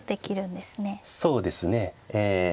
そうですねええ。